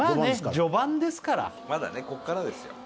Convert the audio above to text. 序盤ですからまだねこっからですよ